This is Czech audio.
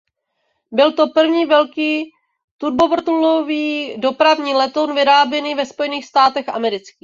Byl to první velký turbovrtulový dopravní letoun vyráběný ve Spojených státech amerických.